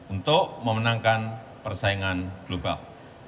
untuk memenangkan persaingan global